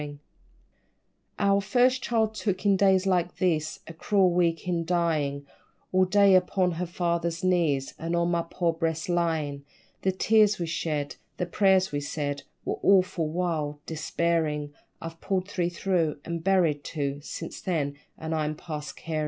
_ Our first child took, in days like these, A cruel week in dyin', All day upon her father's knees, Or on my poor breast lyin'; The tears we shed the prayers we said Were awful, wild despairin'! I've pulled three through, and buried two Since then and I'm past carin'.